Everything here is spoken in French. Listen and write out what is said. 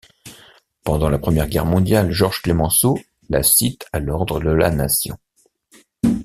Pendant la Première Guerre mondiale, Georges Clemenceau la cite à l'ordre de la nation.